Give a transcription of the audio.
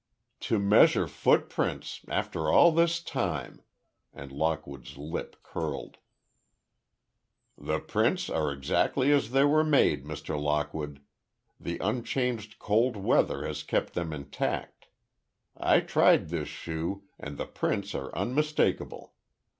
"To measure footprints—after all this time!" and Lockwood's lip curled. "The prints are exactly as they were made, Mr. Lockwood. The unchanging cold weather has kept them intact. I tried this shoe, and the prints are unmistakable.